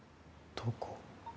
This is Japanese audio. どこ？